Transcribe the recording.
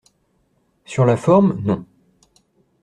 Sur la forme, non.